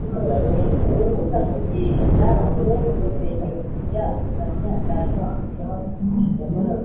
Umbuza kugera no kurusengero kujya kuramya data wa twese